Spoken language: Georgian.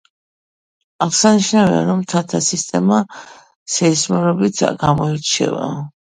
აღსანიშნავია, რომ მთათა სისტემა სეისმურობით გამოირჩევა.